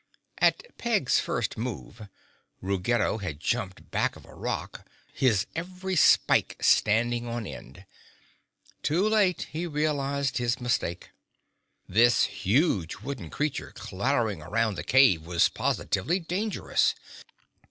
At Peg's first move Ruggedo had jumped back of a rock, his every spike standing on end. Too late he realized his mistake. This huge wooden creature clattering around the cave was positively dangerous.